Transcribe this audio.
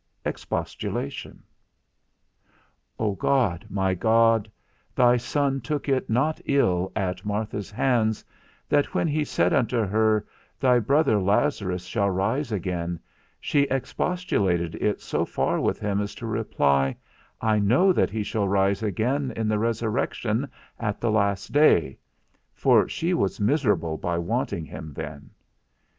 V. EXPOSTULATION. O God, my God, thy Son took it not ill at Martha's hands, that when he said unto her, Thy brother Lazarus shall rise again, she expostulated it so far with him as to reply, I know that he shall rise again in the resurrection, at the last day; for she was miserable by wanting him then.